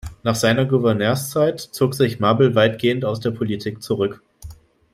Nach seiner Gouverneurszeit zog sich Marble weitgehend aus der Politik zurück.